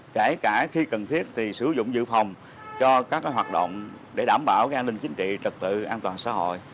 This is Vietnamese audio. kể cả khi cần thiết thì sử dụng dự phòng cho các hoạt động để đảm bảo an ninh chính trị trật tự an toàn xã hội